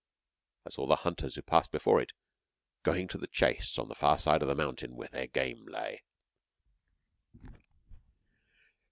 I saw the hunters who passed before it, going to the chase on the far side of the mountain where their game lay.